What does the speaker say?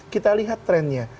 kita lihat trennya